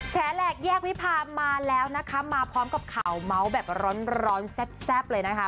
แชร์แหลกแยกวิภามาแล้วนะคะมาพร้อมกับข่าวเม้าแบบร้อนร้อนแซ่บแซ่บเลยนะคะ